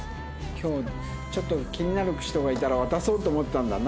今日ちょっと気になる人がいたら渡そうと思ったんだな。